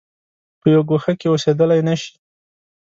په یوه ګوښه کې اوسېدلای نه شي.